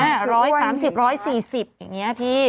๑๓๐๑๔๐อย่างนี้พี่